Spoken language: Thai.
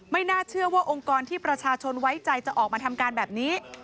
น่าเชื่อว่าองค์กรที่ประชาชนไว้ใจจะออกมาทำการแบบนี้